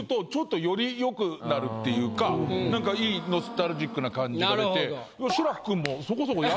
何かいいノスタルジックな感じが出て。